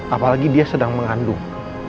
apalagi dia sedang mengandung